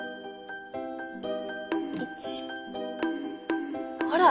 １ほら！